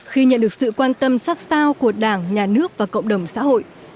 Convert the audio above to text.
khi nhận được sự quan tâm sát sao của đảng nhà nước và cộng đồng xã hội